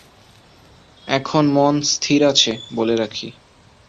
এখন মন স্থির আছে বলে রাখি।